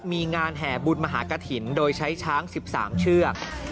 มีงานแห่บุญมหากฐินโดยใช้ช้าง๑๓เชือก